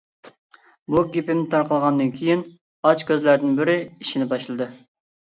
بۇ گېپىم تارقالغاندىن كېيىن ئاچ كۆزلەردىن بىرى ئىشنى باشلىدى.